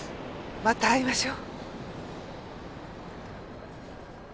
また会いましょう。